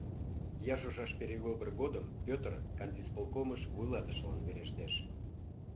—... я шушаш перевыбор годым Пӧтыр кантисполкомыш вуйлатышылан верештеш.